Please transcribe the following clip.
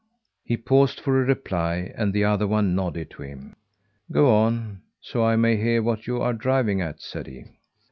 He paused for a reply, and the other one nodded to him. "Go on, so I may hear what you are driving at," said he.